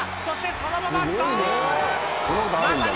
そしてそのままゴール！